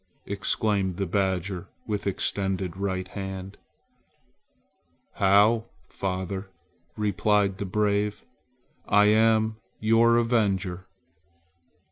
exclaimed the badger with extended right hand. "How, father," replied the brave; "I am your avenger!"